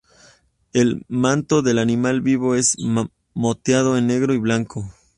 El manto del animal vivo es moteado en negro y blanco.